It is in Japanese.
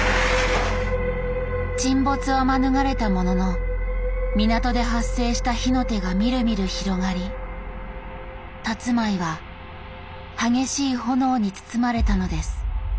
沈没は免れたものの港で発生した火の手がみるみる広がりたつまいは激しい炎に包まれたのです。